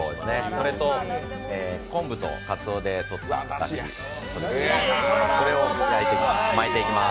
それと昆布とかつおでとっただしで、それを巻いていきます。